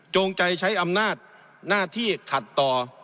จงใจใช้อำนาจหน้าที่ขัดต่อ